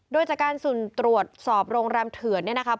โดยจากการสุ่มตรวจสอบโรงแรมเถื่อนเนี่ยนะครับ